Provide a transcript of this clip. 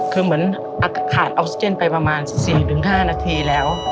คือเหมือนขาดออกซิเจนไปประมาณ๔๕นาทีแล้ว